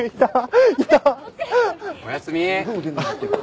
おやすみ。